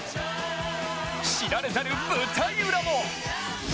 知られざる舞台裏も。